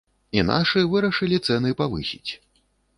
І нашы вырашылі цэны павысіць.